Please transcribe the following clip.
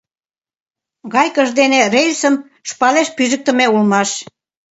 Гайкыж дене рельсым шпалеш пижыктыме улмаш.